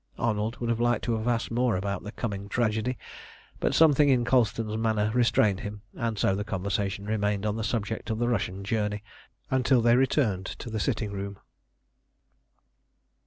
Arnold would have liked to have asked more about the coming tragedy, but something in Colston's manner restrained him; and so the conversation remained on the subject of the Russian journey until they returned to the sitting room.